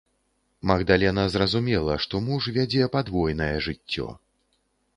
Магдалена разумела, што муж вядзе падвойнае жыццё.